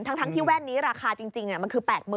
ทั้งที่แว่นนี้ราคาจริงมันคือ๘๐๐๐